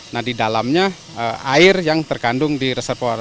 nah di dalamnya air yang terkandung di reservoir